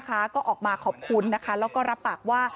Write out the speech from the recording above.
ก็ออกมาขอบคุณนะคะแล้วก็รับปากว่า